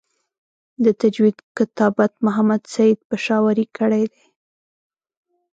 د تجوید کتابت محمد سعید پشاوری کړی دی.